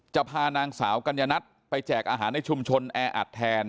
จะพานางสาวกัญญนัทไปแจกอาหารในชุมชนแออัดแทน